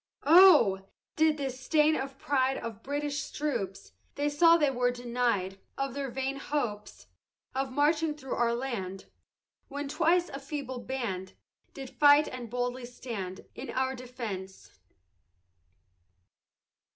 Oh! this did stain the pride Of British troops, They saw they were deny'd Of their vain hopes Of marching thro' our land, When twice a feeble band, Did fight and boldly stand In our defence.